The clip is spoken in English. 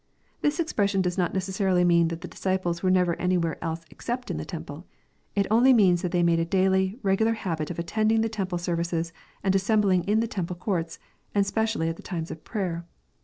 ] This expression does not necessa rily mean that the disciples were never anywhere else except in the temple. It only means that they made a daily, regular habit of attending the temple services and assembling in the temple courts, and specially at the times of prayer.